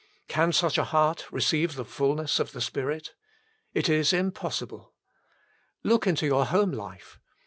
Can such a heart receive the fulness of the Spirit ? It is im possible. Look into your home life.